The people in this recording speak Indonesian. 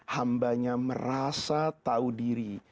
hambanya merasa tahu diri